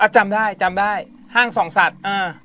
จำได้ห้างสองสัตว์